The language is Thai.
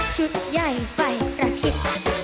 ชุดใยไฟประพิบ